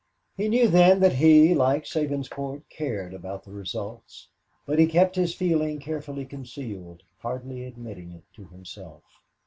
He knew then that he, like Sabinsport, cared about the result; but he kept his feeling carefully concealed, hardly admitting it to himself.